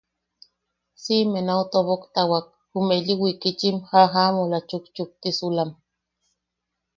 Siʼime nau toboktawak jume ili wikitchim jajamola chukchuktisulam.